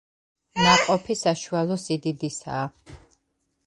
ნაყოფი საშუალო სიდიდისაა.